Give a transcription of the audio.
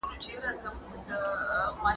زه هڅه کوم چې د بدن ټولې برخې پاکې وساتم.